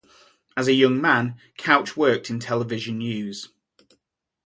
As a young man, Couch worked in television news.